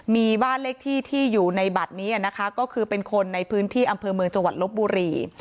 มีบ้านเลขที่ที่อยู่ในบัตรนี้นะคะก็คือเป็นคนในพื้นที่อำเภอเมืองจังหวัดลบบุรี